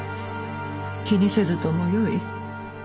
気にせずともよい。